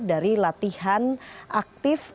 dari latihan aktif